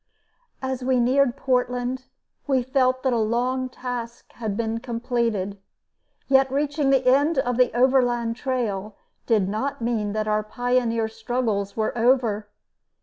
As we neared Portland we felt that a long task had been completed. Yet reaching the end of the Overland Trail did not mean that our pioneer struggles were over.